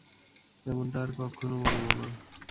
এমনটা আর কক্ষনো বলবো না।